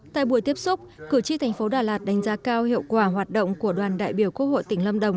tại buổi tiếp xúc cử tri thành phố đà lạt đánh giá cao hiệu quả hoạt động của đoàn đại biểu quốc hội tỉnh lâm đồng